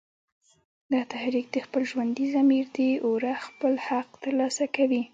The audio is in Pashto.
دا تحریک د خپل ژوندي ضمیر د اوره خپل حق تر لاسه کوي